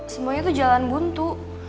semuanya tuh jalan buntu